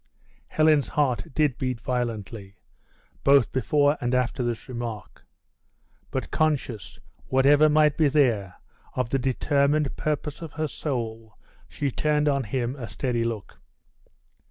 Helen's heart did beat violently, both before and after this remark; but conscious, whatever might be there, of the determined purpose of her soul, she turned on him a steady look.